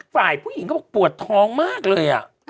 ฝ่ายผู้หญิงก็ปวดท้องมากเลยอะ